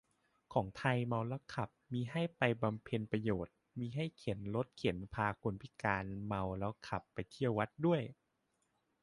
ของไทย เมาแล้วขับ มีให้ไปบำเพ็ญประโยชน์ มีให้เข็นรถเข็นพาคนพิการจากเมาแล้วขับไปเที่ยววัดด้วย